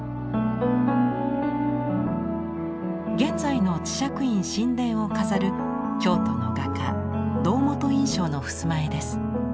現在の智積院宸殿を飾る京都の画家堂本印象の襖絵です。